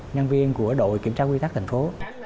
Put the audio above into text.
nhân viên của đội kiểm tra quy tắc thành phố